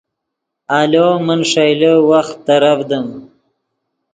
آلو من ݰئیلے وخت ترڤدیم